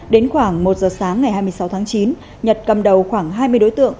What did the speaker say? đến khoảng một giờ sáng ngày hai mươi sáu tháng chín nhật cầm đầu khoảng hai mươi đối tượng